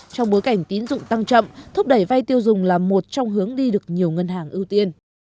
trong bối cảnh tín dụng tăng chậm thúc đẩy vai tiêu dùng là một trong hướng đi được nhiều ngân hàng ưu tiên